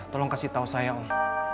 tolong kasih tahu saya om